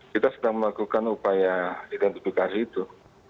kita sedang melakukan upaya identifikasi itu